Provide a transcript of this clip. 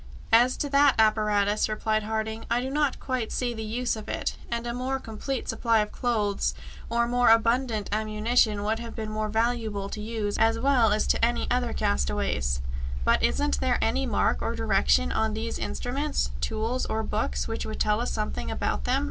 "As to that apparatus," replied Harding, "I do not quite see the use of it; and a more complete supply of clothes or more abundant ammunition would have been more valuable to us as well as to any other castaways!" "But isn't there any mark or direction on these instruments, tools, or books, which would tell us something about them?"